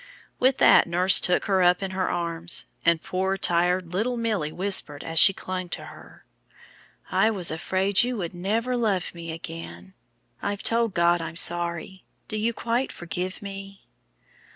With that nurse took her up in her arms; and poor tired little Milly whispered, as she clung to her, "I was afraid you would never love me again. I've told God I'm sorry; do you quite forgive me?"